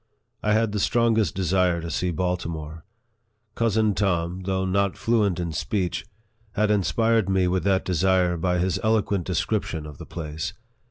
I had the strongest desire to see Baltimore. Cousin Tom, though not fluent in speech, had inspired me with that desire by his eloquent description of the place.